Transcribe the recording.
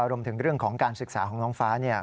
รวมถึงเรื่องของการศึกษาของน้องฟ้าเนี่ย